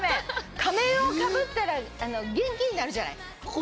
仮面をかぶったら元気になるじゃない。